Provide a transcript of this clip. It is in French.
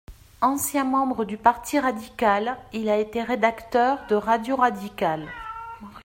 Ancien membre du Parti radical, il a été rédacteur de Radio Radicale.